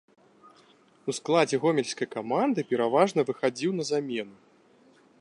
У складзе гомельскай каманды пераважна выхадзіў на замену.